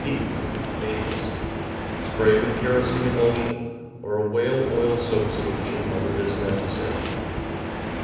Pea. — Aphis. — Spray with kerosene emulsion, or a whale oil soap solution, when it is necessary.